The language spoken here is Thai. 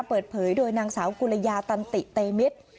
เปิดเผยโดยนางสาวกุลยาตันติเตมิตร